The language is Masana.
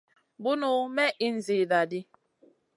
Bunu may ìhn zida di.